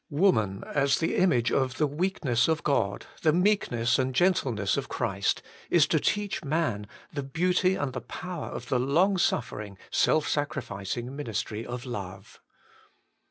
2. Woman, as the image of ' the weakness of God,' ' the meekness and gentleness of Christ,' is to teach man the beauty and the power of the long suffering, self sacrificing ministry of love.